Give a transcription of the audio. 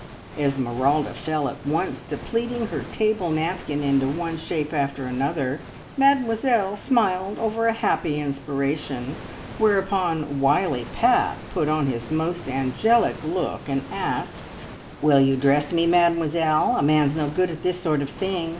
Esmeralda fell at once to pleating her table napkin into one shape after another, Mademoiselle smiled over a happy inspiration, whereupon wily Pat put on his most angelic look and asked "Will you dress me, Mademoiselle? A man's no good at this sort of thing.